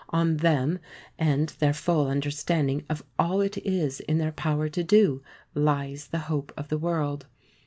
On them and their full understanding of all it is in their power to do, lies the hope of the world.